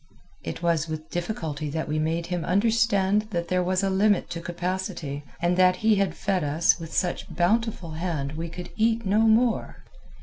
It was with difficulty that we made him understand that there was a limit to capacity, and that he had fed us with such bountiful hand we could eat no more.